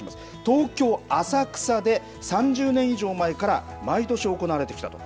東京・浅草で３０年以上前から毎年行われてきたと。